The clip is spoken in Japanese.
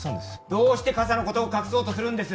どうして傘のことを隠そうとするんです？